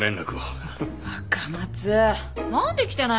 何で来てないの？